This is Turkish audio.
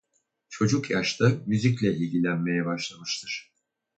Çocuk yaşta müzikle ilgilenmeye başlamıştır.